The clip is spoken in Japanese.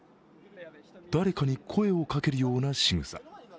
誰かに声をかけるようなしぐさ。